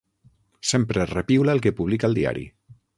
Sempre repiula el que publica el diari.